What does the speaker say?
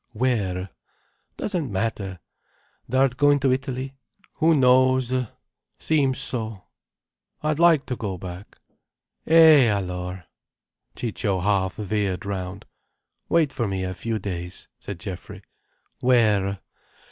"Where?" "Doesn't matter. Thou'rt going to Italy?" "Who knows!—seems so." "I'd like to go back." "Eh alors!" Ciccio half veered round. "Wait for me a few days," said Geoffrey. "Where?"